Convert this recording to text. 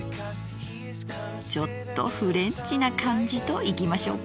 ちょっとフレンチな感じといきましょうか。